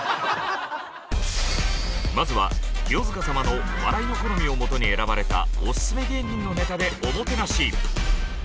まずは清塚様の笑いの好みをもとに選ばれたオススメ芸人のネタでおもてなし。